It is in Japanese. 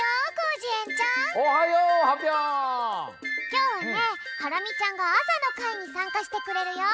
きょうはねハラミちゃんがあさのかいにさんかしてくれるよ。